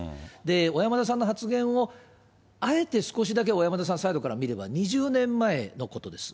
小山田さんの発言を、あえて少しだけ小山田さんサイドから見れば、２０年前のことです。